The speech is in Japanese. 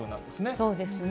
そうですね。